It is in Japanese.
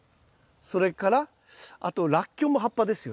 それからあとラッキョウも葉っぱですよね。